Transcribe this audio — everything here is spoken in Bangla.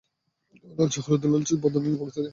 লালচে হলুদ, লালচে গোলাপি, লালচে বাদামি ইত্যাদি।